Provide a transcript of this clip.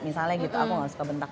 misalnya gitu aku gak suka bentak